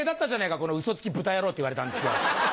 このうそつき豚やろうって言われたんですよ。